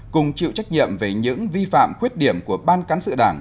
cùng chịu trách nhiệm về những vi phạm khuyết điểm của ban cán sự đảng